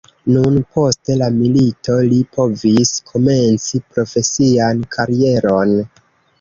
Nur post la milito li povis komenci profesian karieron.